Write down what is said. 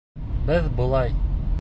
Беҙ былай!..